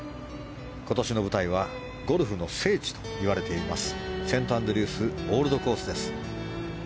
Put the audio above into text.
今年の舞台はゴルフの聖地といわれていますセントアンドリュースオールドコースです。